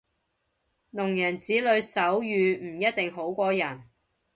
聾人子女手語唔一定好過人